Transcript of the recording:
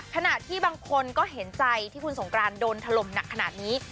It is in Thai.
ขณะที่บางคนก็เห็นใจที่คุณสงกรานโดนถล่มหนักขนาดนี้